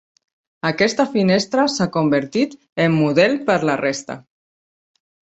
Aquesta finestra s'ha convertit en model per la resta.